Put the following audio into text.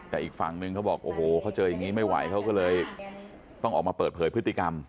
แต่อีกฝั่งนึงเขาบอกโอ้โหเขาเจออย่างนี้ไม่ไหวเขาก็เลยต้องออกมาเปิดเผยพฤติกรรม